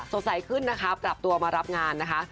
สงสัยขึ้นนะครับกลับตัวมารับงานนะคะ